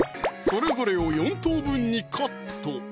それぞれを４等分にカット！